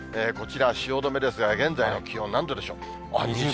こちら汐留ですが、現在の気温、何度でしょう。